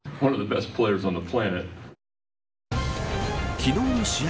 昨日の試合